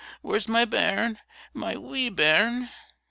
where's my bairn my wee bairn?"